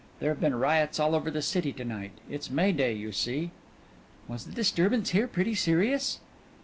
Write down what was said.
There've been riots all over the city to night. It's May Day, you see." "Was the disturbance here pretty serious?"